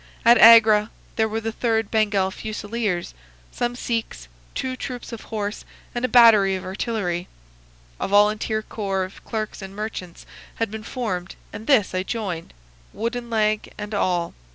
At Agra there were the 3rd Bengal Fusiliers, some Sikhs, two troops of horse, and a battery of artillery. A volunteer corps of clerks and merchants had been formed, and this I joined, wooden leg and all.